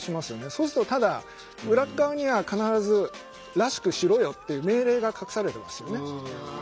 そうするとただ裏っかわには必ず「らしくしろよ」っていう命令が隠されてますよね。